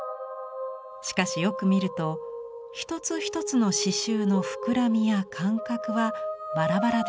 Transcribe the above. しかしよく見ると一つ一つの刺しゅうの膨らみや間隔はバラバラです。